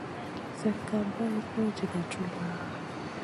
Slèkka bày goyo diga culumba.